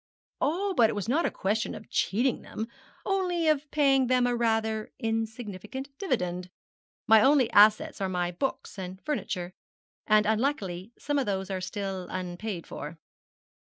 'Oh, but it was not a question of cheating them, only of paying them a rather insignificant dividend. My only assets are my books and furniture, and unluckily some of those are still unpaid for.'